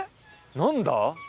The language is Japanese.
何だ？